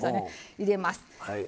入れます。